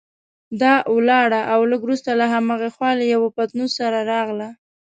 دا ولاړه او لږ وروسته له هماغې خوا له یوه پتنوس سره راغله.